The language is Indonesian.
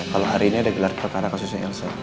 kalau hari ini ada gelar perkara kasusnya elsa